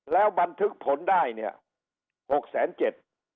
แล้วบรรทึกผลได้เนี่ย